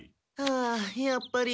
あやっぱり。